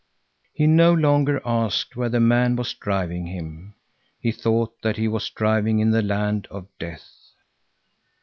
He no longer asked where the man was driving him; he thought that he was driving in the land of death.